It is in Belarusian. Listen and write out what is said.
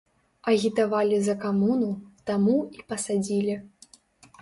Агітавалі за камуну, таму і пасадзілі!